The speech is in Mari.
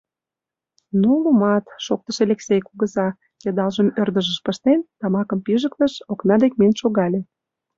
— Ну, лумат, — шоктыш Элексей кугыза, йыдалжым ӧрдыжыш пыштен, тамакым пижыктыш, окна дек миен шогале.